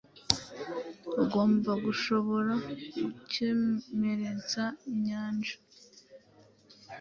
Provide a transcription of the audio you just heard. Ugomba gushobora gukomeretsa inyanja-